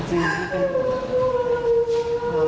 จริงไม่เป็น